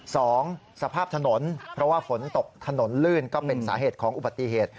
สภาพถนนเพราะว่าฝนตกถนนลื่นก็เป็นสาเหตุของอุบัติเหตุ